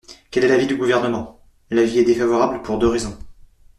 Quel est l’avis du Gouvernement ? L’avis est défavorable pour deux raisons.